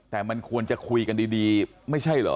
แต่มันควรจะคุยกันดีไม่ใช่เหรอ